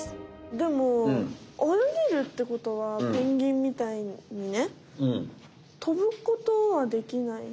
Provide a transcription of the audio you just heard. でも泳げるってことはペンギンみたいにね飛ぶことはできない？